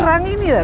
kurang ini ya